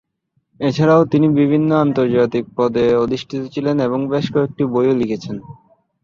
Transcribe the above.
এছাড়াও তিনি বিভিন্ন আন্তর্জাতিক পদে অধিষ্ঠিত ছিলেন এবং বেশ কয়েকটি বইও লিখেছেন।